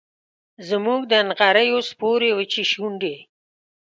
زموږ د نغریو سپورې وچې شونډي